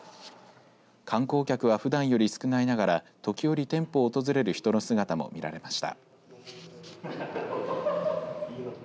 観光客はふだんより少ないながら時折、店舗を訪れる人の姿も見られました。